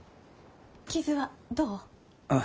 傷はどう？